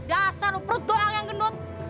dasar perut doang yang gendut